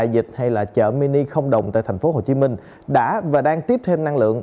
đây là chợ mini không đồng tại tp hcm đã và đang tiếp thêm năng lượng